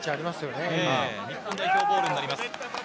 日本代表ボールになります。